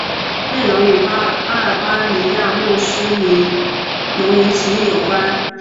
内容与阿尔巴尼亚穆斯林农民起义有关。